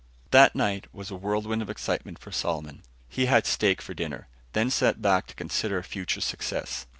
That night was a whirlwind of excitement for Solomon. He had steak for dinner, then sat back to consider future success.